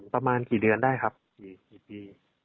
ประมาณกี่เดือนได้ครับกี่ปี